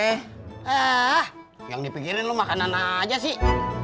ah yang dipikirin lu makanan aja sih